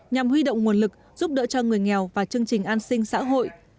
nhằm huy động nguồn lực giúp đỡ cho người nghèo và chương trình an sinh xã hội